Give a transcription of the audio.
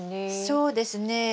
そうですね。